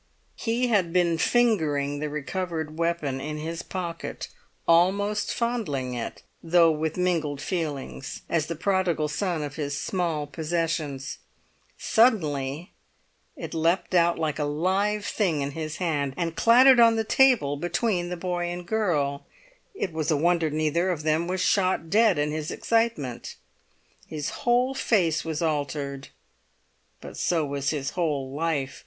He had been fingering the recovered weapon in his pocket, almost fondling it, though with mingled feelings, as the Prodigal Son of his small possessions; suddenly it leapt out like a live thing in his hand, and clattered on the table between the girl and boy. It was a wonder neither of them was shot dead in his excitement. His whole face was altered; but so was his whole life.